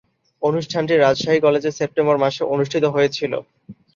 অনুষ্ঠানটি রাজশাহী কলেজে সেপ্টেম্বর মাসে অনুষ্ঠিত হয়েছিলো।